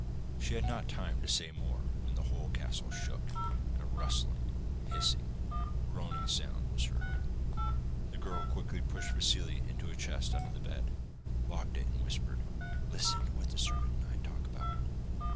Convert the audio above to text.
She had not time to say more, when the whole castle shook, and a rustling, hissing, groaning sound was heard. The girl quickly pushed Vassili into a chest under the bed, locked it and whispered: 'Listen to what the serpent and I talk about.